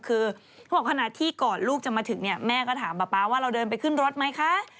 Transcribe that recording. คือเขาบอกขณะที่ก่อนลูกจะมาถึงเนี่ยแม่ก็ถามป๊าป๊าว่าเราเดินไปขึ้นรถไหมคะ